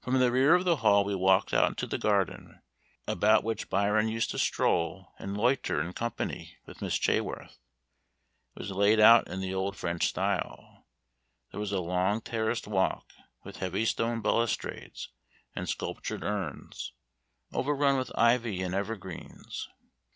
From the rear of the hall we walked out into the garden, about which Byron used to stroll and loiter in company with Miss Chaworth. It was laid out in the old French style. There was a long terraced walk, with heavy stone balustrades and sculptured urns, overrun with ivy and evergreens.